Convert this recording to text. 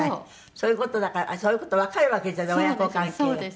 そういう事だからそういう事わかるわけじゃない親子関係。